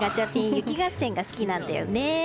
雪合戦が好きなんだよね。